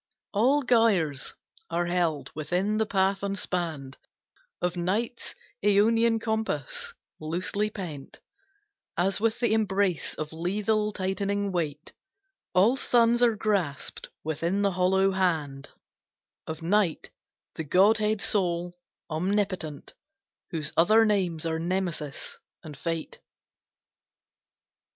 All gyres are held within the path unspanned Of Night's aeonian compass loosely pent As with the embrace of lethal tightening weight; All suns are grasped within the hollow hand Of Night, the godhead sole, omnipotent, Whose other names are Nemesis and Fate.